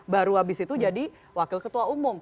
baru habis itu jadi wakil ketua umum